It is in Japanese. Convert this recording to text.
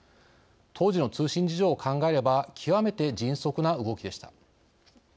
当時の通信事情を考えれば極めて迅速な動きでした。